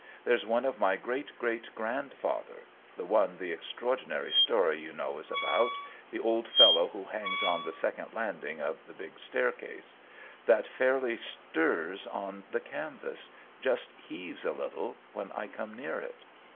There's one of my great great grandfather (the one the extraordinary story you know is about— the old fellow who hangs on the second landing of the big staircase) that fairly stirs on the canvas — just heaves a little — when I come near it.